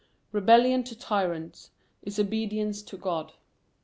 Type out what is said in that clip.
Rebellion to tyrants is obedience to God.